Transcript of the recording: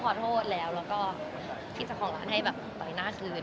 ขอโทษแล้วแล้วก็ที่เจ้าของร้านให้แบบต่อยหน้าเฉย